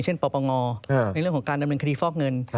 ปปงในเรื่องของการดำเนินคดีฟอกเงิน